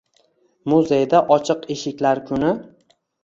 Muzeyda “Ochiq eshiklar kuni”